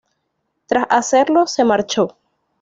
Tras hacerlo, se marchó.